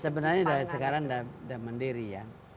sebenarnya dari sekarang sudah mandiri ya